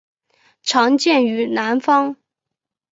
常见于南方。